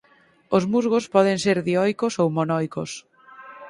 Os musgos poden ser dioicos ou monoicos.